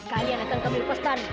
kalian akan kami lupakan